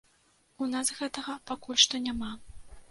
У нас гэтага пакуль што няма.